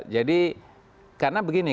jadi karena begini